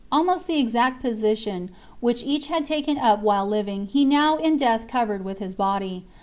Almost the exact" position which each had taken up while living he now in death covered with his body.